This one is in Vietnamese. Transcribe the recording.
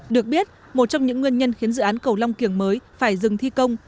được biết một trong những nguyên nhân khiến dự án cầu long kiểng mới phải dừng thi công